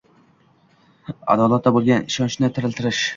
Adolatga bo‘lgan ishonchni tiriltirish